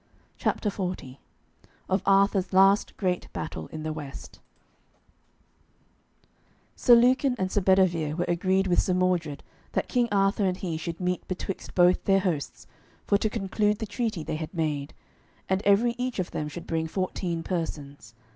CHAPTER XL OF ARTHUR'S LAST GREAT BATTLE IN THE WEST Sir Lucan and Sir Bedivere were agreed with Sir Mordred that King Arthur and he should meet betwixt both their hosts, for to conclude the treaty they had made, and every each of them should bring fourteen persons.